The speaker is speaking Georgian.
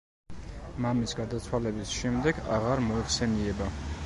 მამის გარდაცვალების შემდეგ აღარ მოიხსენიება.